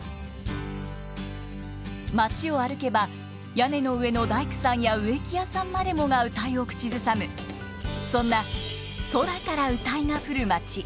町を歩けば屋根の上の大工さんや植木屋さんまでもが謡を口ずさむそんな空から謡が降るまち。